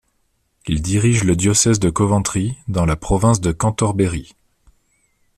Il dirige le diocèse de Coventry, dans la province de Cantorbéry.